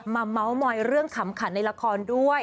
เมาส์มอยเรื่องขำขันในละครด้วย